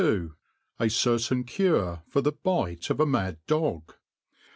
A artatn Cure fir thi Bite of a Mad Dog.